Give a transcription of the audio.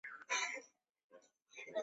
漆黑的房里唯一的光线